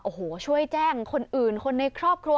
โอ้โหช่วยแจ้งคนอื่นคนในครอบครัว